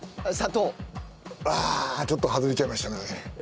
ああちょっと外れちゃいましたね。